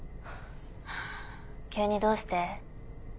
急にどうして？